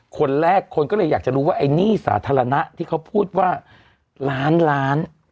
คนแรกคนก็เลยอยากจะรู้ว่าไอ้หนี้สาธารณะที่เขาพูดว่าล้านล้าน